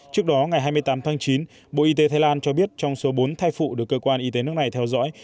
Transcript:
trước đó ngày hai mươi tám tháng chín bộ y tế thái lan cho biết trong số bốn thai phụ được cơ quan y tế nước này theo dõi